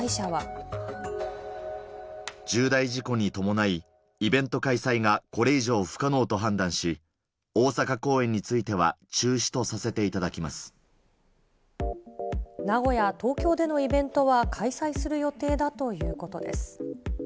重大事故に伴い、イベント開催がこれ以上不可能と判断し、大阪公演については中止名古屋、東京でのイベントは開催する予定だということです。